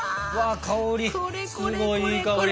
香りすごいいい香り。